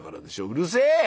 「うるせえ！